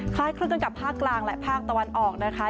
คล้ายคลึงกันกับภาคกลางและภาคตะวันออกนะคะ